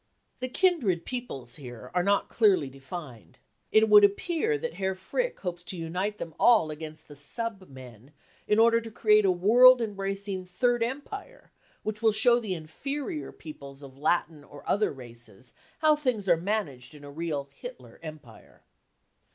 The 44 kindred " peoples are here not clearly defined. It w*ould appear that Herr Frick hopes to unite them all against the 44 sub men " in order to create a world embrac ing cc Third Empire " which will show the 44 inferior " peoples of Latin or other 4 4 races " how things are managed in a real Hitler empire.